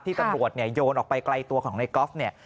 ที่ตำรวจโยนออกไปไกลตัวของไนกอล์ฟเนี่ย